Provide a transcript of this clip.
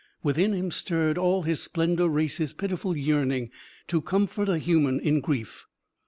Within him stirred all his splendid race's pitiful yearning to comfort a human in grief.